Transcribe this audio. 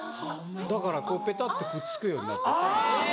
だからこうペタってくっつくようになってて。